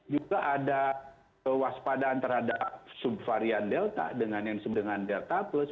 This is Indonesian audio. juga ada waspadaan terhadap subvarian delta dengan yang sebeda dengan deltatus